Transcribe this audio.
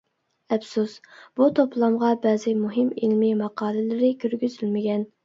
ئەپسۇس، بۇ توپلامغا بەزى مۇھىم ئىلمىي ماقالىلىرى كىرگۈزۈلمىگەن.